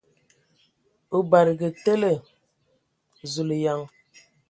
O badǝgǝ tele ! Zulǝyan!